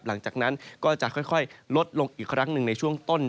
หลังจากนั้นก็จะค่อยลดลงอีกครั้งหนึ่งในช่วงต้น